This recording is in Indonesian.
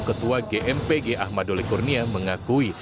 ketua gmpg ahmadulikurnia mengakui